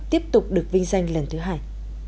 tiếp tục được vinh danh lần thứ hai